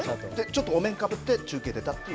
ちょっとお面かぶって、中継出たという。